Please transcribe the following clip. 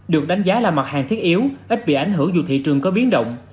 được đánh giá là mặt hàng thiết yếu ít bị ảnh hưởng dù thị trường có biến động